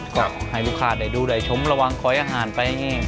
ก็ให้ลูกค้าได้ดูได้ชมระวังคอยอาหารไปอย่างนี้